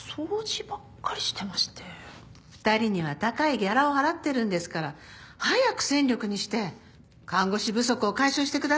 ２人には高いギャラを払ってるんですから早く戦力にして看護師不足を解消してください。